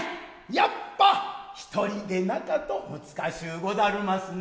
やっぱ一人でなかとむずかしゅうござるますな。